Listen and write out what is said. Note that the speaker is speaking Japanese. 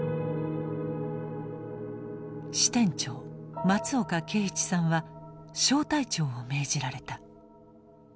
支店長松岡啓一さんは小隊長を命じられた。